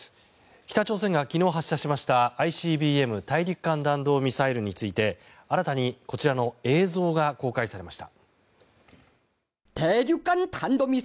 北朝鮮が昨日発射しましたＩＣＢＭ・大陸間弾道ミサイルについて新たにこちらの映像が公開されました。